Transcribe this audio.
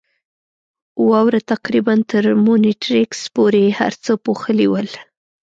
واورو تقریباً تر مونیټریکس پورې هر څه پوښلي ول.